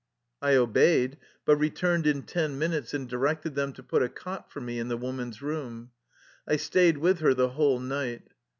I obeyed, but returned in ten minutes and di rected them to put a cot for me in the woman's room. I stayed with her the whole night.